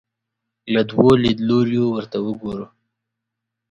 له دوو لیدلوریو ورته وګورو